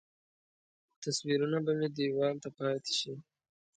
تصویرونه به مې دیوال ته پاتې شي.